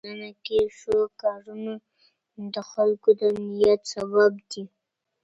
په ټولنه کې ښو کارونه د خلکو د امنيت سبب دي.